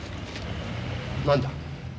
何だ？